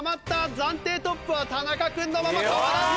暫定トップは田仲君のまま変わらず！